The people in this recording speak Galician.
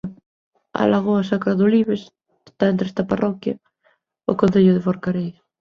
A lagoa Sacra de Olives está entre esta parroquia e o concello de Forcarei.